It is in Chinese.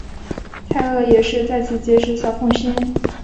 蔡锷也是在此结识小凤仙。